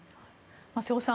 瀬尾さん